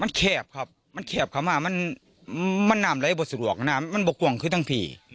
มันแข็บครับมันแข็บคำว่ามันมันนามไร้บทสะลวกนะมันบกว่างขึ้นทั้งผี